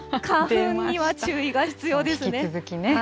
花粉には注意が必要ですね。